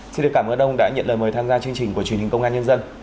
xin được cảm ơn ông đã nhận lời mời tham gia chương trình của truyền hình công an nhân dân